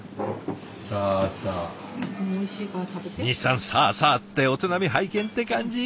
西さん「さあさあ」ってお手並み拝見って感じ？